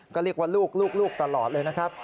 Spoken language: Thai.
ก็เรียกว่าลูกตลอดเลยนะครับ